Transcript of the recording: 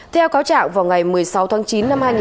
theo cáo trạng vào ngày một mươi sáu tháng chín năm hai nghìn